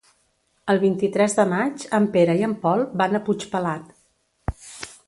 El vint-i-tres de maig en Pere i en Pol van a Puigpelat.